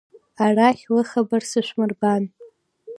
Арахь лыхабар сышәмырбан!